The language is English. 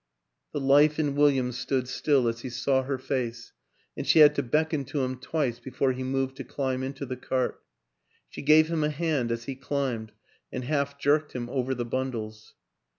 The life in William stood still as he saw her face, and she had to beckon to him twice before he moved to climb into the cart; she gave him a hand as he climbed and half jerked him over the bundles.